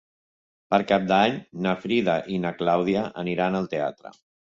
Per Cap d'Any na Frida i na Clàudia aniran al teatre.